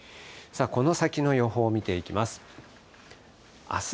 この先の予報見ていきます。